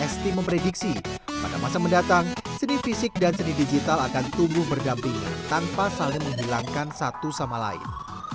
sti memprediksi pada masa mendatang seni fisik dan seni digital akan tumbuh berdampingan tanpa saling menghilangkan satu sama lain